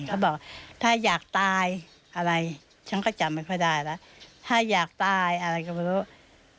เขาบอกถ้าอยากตายอะไรฉันก็จำไม่ค่อยได้แล้วถ้าอยากตายอะไรก็ไม่รู้